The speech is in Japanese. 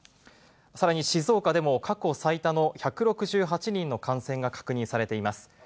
さらに静岡でも過去最多の１６８人の感染が確認されています。